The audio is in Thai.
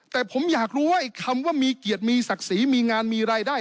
แต่ผมอยากรู้ว่าไอ้คำว่ามีเกียรติมีศักดิ์ศรีมีงานมีรายได้